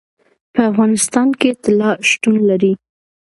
په افغانستان کې طلا شتون لري.